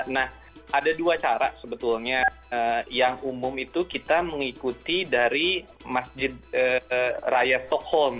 nah ada dua cara sebetulnya yang umum itu kita mengikuti dari masjid raya tokholm